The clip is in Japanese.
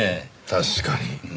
確かに。